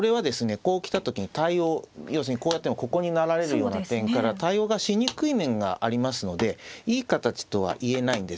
こう来た時に対応要するにこうやってもここに成られるような点から対応がしにくい面がありますのでいい形とは言えないんです。